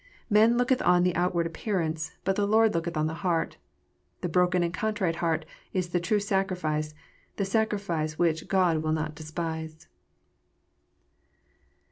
"Man looketh on the outward appearance; but the Lord looketh 011 the heart." The broken and contrite heart is the true sacrifice, the sacrifice which " God will not despise."